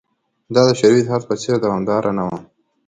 دا د شوروي اتحاد په څېر دوامداره نه وه